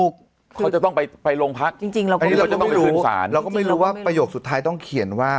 เขาจะต้องไปไปโรงพักจริงอันนี้เราจะต้องไปดูศาลเราก็ไม่รู้ว่าประโยคสุดท้ายต้องเขียนว่า